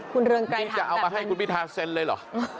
คุณเรืองไกรถามแบบนั้นนี่จะเอามาให้คุณพิธาเซ็นเลยเหรอ